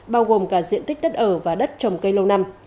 bao gồm cả diện tích đất ở và đất trồng cây lâu năm